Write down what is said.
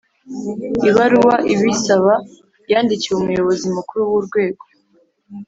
ibaruwa ibisaba yandikiwe umuyobozi mukuru w’urwego